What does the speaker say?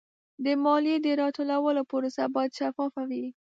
د مالیې د راټولولو پروسه باید شفافه وي.